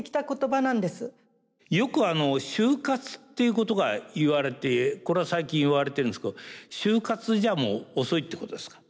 よく「終活」っていうことが言われてこれは最近言われているんですけど終活じゃもう遅いってことですか？